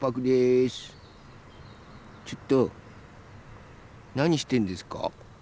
ちょっとなにしてんですか？